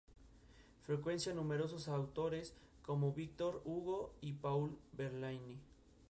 Frecuenta numerosos autores como Victor Hugo y Paul Verlaine.